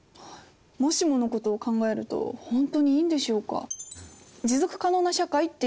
もしものことを考えると本当にいいんでしょうか？